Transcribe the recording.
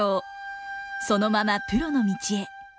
そのままプロの道へ。